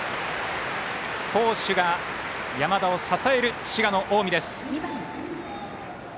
好守が山田を支える滋賀の近江です。